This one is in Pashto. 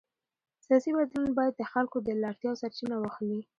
سیاسي بدلون باید د خلکو له اړتیاوو سرچینه واخلي